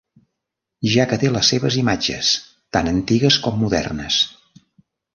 Ja que té les seves imatges, tan antigues com modernes.